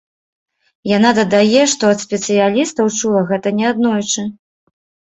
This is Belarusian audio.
Яна дадае, што ад спецыялістаў чула гэта неаднойчы.